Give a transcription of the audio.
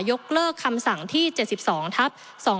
ยกเลิกคำสั่งที่๗๒ทับ๒๕๖